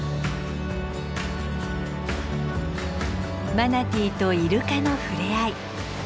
マナティーとイルカの触れ合い。